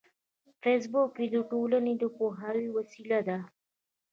فېسبوک د ټولنې د پوهاوي وسیله ده